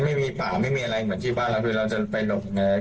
ไม่มีป่าไม่มีอะไรเหมือนที่บ้านเราคือเราจะไปหลบไง